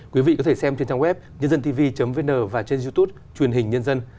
quý vị có thể xem trên trang web nhândântv vn và trên youtube truyền hình nhân dân